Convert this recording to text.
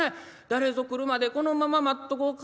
誰ぞ来るまでこのまま待っとこうかあ。